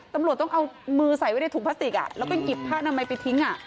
ตำรวจต้องเอามือใส่ไว้ในถุงพลาสติกแล้วก็หยิบผ้านามัยไปทิ้ง